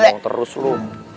komong terus lo